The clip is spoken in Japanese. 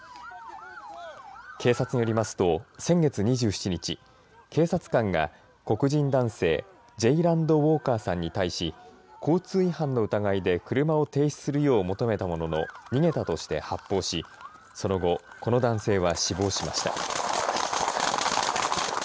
警察によりますと先月２７日、警察官が黒人男性、ジェイランド・ウォーカーさんに対し交通違反の疑いで車を停止するよう求めたものの逃げたとして発砲しその後、この男性は死亡しました。